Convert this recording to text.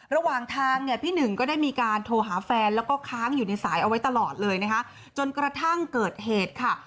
ระหว่างทางเนี่ยพี่หนึ่งก็ได้มีการโทรหาแฟนแล้วก็ค้างอยู่ในสายเอาไว้ตลอดเลยนะคะจนกระทั่งเกิดเหตุค่ะ